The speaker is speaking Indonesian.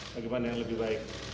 bagaimana yang lebih baik